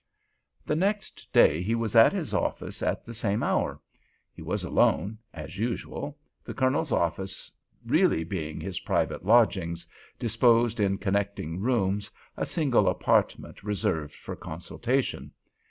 The next day he was at his office at the same hour. He was alone—as usual—the Colonel's office really being his private lodgings, disposed in connecting rooms, a single apartment reserved for consultation.